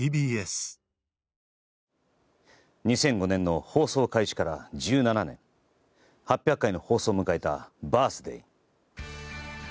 ２００５年の放送開始から１７年８００回の放送を迎えた「バース・デイ」